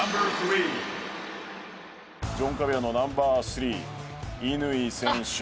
ジョン・カビラのナンバー３乾選手。